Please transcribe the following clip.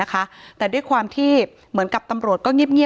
ถ้าใครอยากรู้ว่าลุงพลมีโปรแกรมทำอะไรที่ไหนยังไง